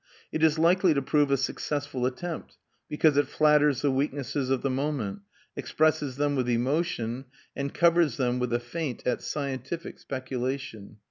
It is likely to prove a successful attempt, because it flatters the weaknesses of the moment, expresses them with emotion, and covers them with a feint at scientific speculation.